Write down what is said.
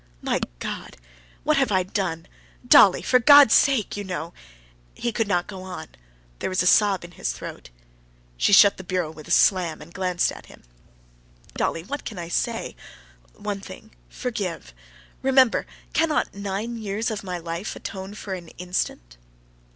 "My God! what have I done? Dolly! For God's sake!... You know...." He could not go on; there was a sob in his throat. She shut the bureau with a slam, and glanced at him. "Dolly, what can I say?... One thing: forgive.... Remember, cannot nine years of my life atone for an instant...."